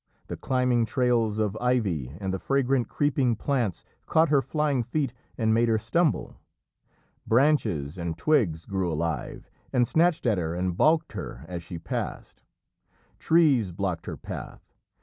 The climbing trails of ivy and the fragrant creeping plants caught her flying feet and made her stumble. Branches and twigs grew alive and snatched at her and baulked her as she passed. Trees blocked her path.